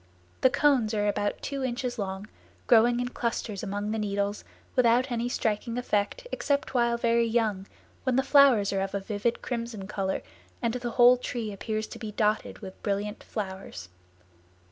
The cones are about two inches long, growing in clusters among the needles without any striking effect except while very young, when the flowers are of a vivid crimson color and the whole tree appears to be dotted with brilliant flowers.